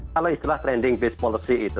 kalau istilah trending based policy itu